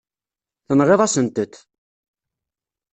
Tenɣiḍ-asent-t.